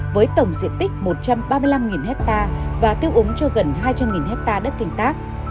với tổng diện tích một trăm ba mươi năm hectare và tiêu úng cho gần hai trăm linh hectare đất canh tác